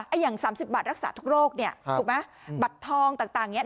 ไอ้อย่างสามสิบบัตรรักษาทุกโรคเนี้ยถูกไหมบัตรทองต่างต่างเนี้ย